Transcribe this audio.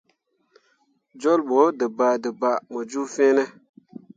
Jolɓo dǝbaadǝbaa mu ju fine.